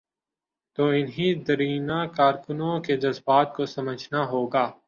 تو انہیں دیرینہ کارکنوں کے جذبات کو سمجھنا ہو گا۔